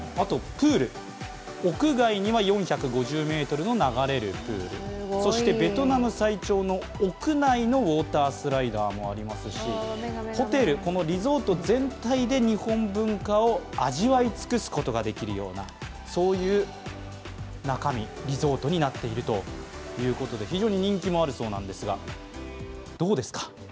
プール、屋外には４５０ｍの流れるプール、ベトナム最長の屋内のウォータースライダーもありますし、ホテル、リゾート全体で日本文化を味わい尽くすことができるようなそういう中身、リゾートになっているということで、非常に人気もあるそうなんですがどうですか？